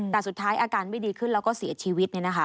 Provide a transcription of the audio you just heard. แต่สุดท้ายอาการไม่ดีขึ้นแล้วก็เสียชีวิต